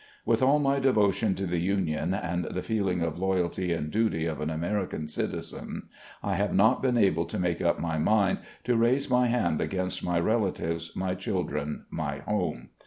"With all my devotion to the Union and the feeling of loyalty and duty of an American citizen, I have not been able to make up my mind to raise my hand against my relatives, my children, my home.